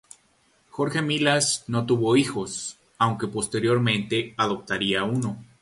Jorge Millas no tuvo hijos, aunque posteriormente adoptaría uno.